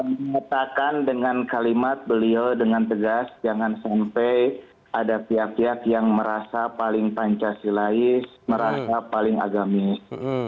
mengatakan dengan kalimat beliau dengan tegas jangan sampai ada pihak pihak yang merasa paling pancasilais merasa paling agamis